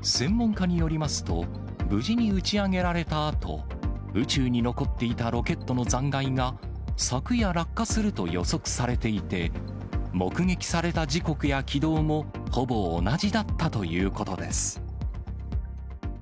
専門家によりますと、無事に打ち上げられたあと、宇宙に残っていたロケットの残骸が昨夜落下すると予測されていて、目撃された時刻や軌道もほぼ同じだったということです。